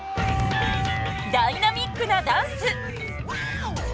ダイナミックなダンス。